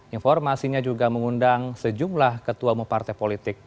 informasinya juga mengundang sejumlah ketua mempartai politik